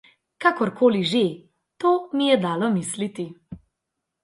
Kakorkoli že, to mi je dalo misliti.